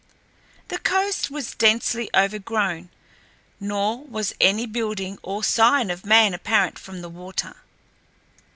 The coast was densely overgrown, nor was any building or sign of man apparent from the water.